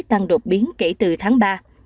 đang đột biến kể từ tháng ba